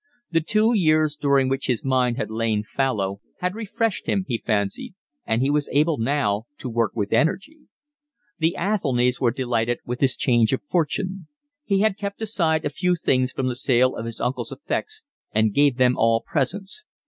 The two years during which his mind had lain fallow had refreshed him, he fancied, and he was able now to work with energy. The Athelnys were delighted with his change of fortune. He had kept aside a few things from the sale of his uncle's effects and gave them all presents.